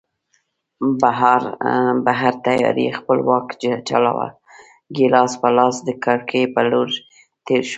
بهر تیارې خپل واک چلاوه، ګیلاس په لاس د کړکۍ په لور تېر شوم.